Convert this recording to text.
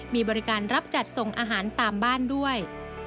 มีบริการรับจัดส่งอาหารตามบ้านด้วย